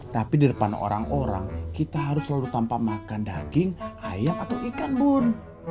tapi di depan orang orang kita harus selalu tanpa makan daging ayam atau ikan bun